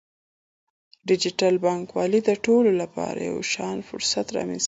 ډیجیټل بانکوالي د ټولو لپاره یو شان فرصتونه رامنځته کوي.